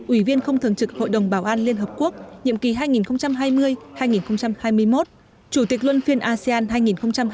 ủy viên không thường trực hội đồng bảo an liên hợp quốc nhiệm kỳ hai nghìn hai mươi hai nghìn hai mươi một chủ tịch luân phiên asean hai nghìn hai mươi